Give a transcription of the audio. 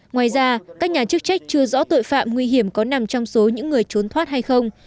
ngoài ra các nhà chức trách chưa rõ tội phạm nguy hiểm có nằm trong số những người trốn thoát hay không